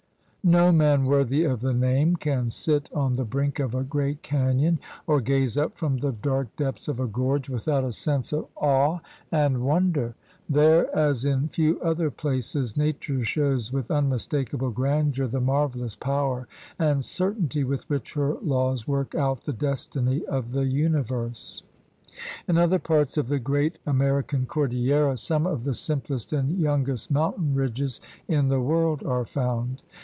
No man worthy of the name can sit on the brink of a great canyon or gaze up from the dark depths of a gorge without a sense of awe and 78 THE RED MAN'S CONTINENT wonder. There, as in few other places, Nature shows with unmistakable grandeur the marvelous power and certainty with which her laws work out the destiny of the universe. In other parts of the great American cordillera some of the simplest and youngest mountain ridges in the world are found.